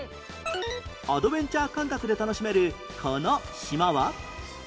アドベンチャー感覚で楽しめるこの島は？